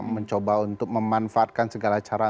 mencoba untuk memanfaatkan segala cara